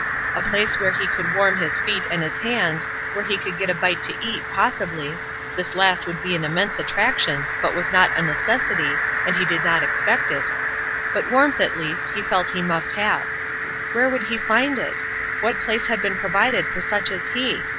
A place where he could warm his feet and his hands, where he could get a bite to eat, possibly, this last would be an immense attraction, but was not a necessity, and he did not expect it, but warmth, at least, he felt that he must have. Where would he find it? What place had been provided for such as he?